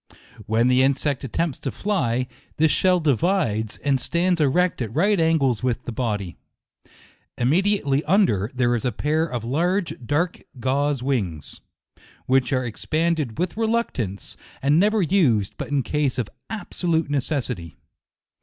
When the insect attempts to fly, this shell divides, and stands erect at right angles with the body. Imme diately under, there is a pair of large, dark gauze wings, which are expanded with reluc tance, and never used but in cases of absolute necessity.